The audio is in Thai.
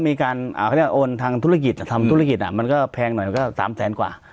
มีการโอนทางธุรกิจทำธุรกิจมันก็แพงหน่อย๓๐๐๐๐๐๐กว่า